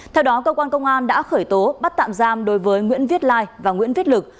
theo đó cơ quan công an đã khởi tố bắt tạm giam đối với nguyễn viết lai và nguyễn viết lực